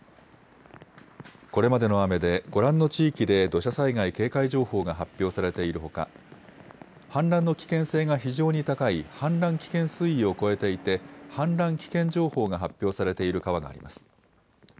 これまでの雨でご覧の地域で土砂災害警戒情報が発表されているほか、氾濫の危険性が非常に高い、氾濫危険水位を超えていて、氾濫危険情報が発表されている川があります。